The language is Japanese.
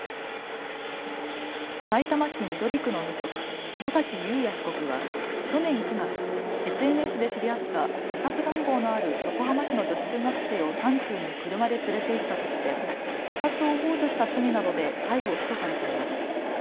さいたま市緑区の無職、野崎祐也被告は去年９月、ＳＮＳで知り合った自殺願望のある横浜市の女子中学生を山中に車で連れていったとして自殺をほう助した罪などで逮捕・起訴されています。